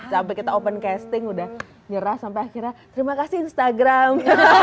sampai kita open casting udah nyerah sampai akhirnya terima kasih instagram